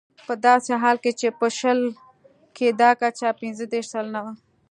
په داسې حال کې چې په شل کې دا کچه پنځه دېرش سلنه وه.